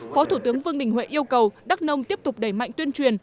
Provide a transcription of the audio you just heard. phó thủ tướng vương đình huệ yêu cầu đắk nông tiếp tục đẩy mạnh tuyên truyền